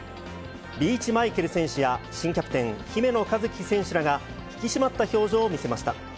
リーチマイケル選手や、新キャプテン、姫野和樹選手らが、引き締まった表情を見せました。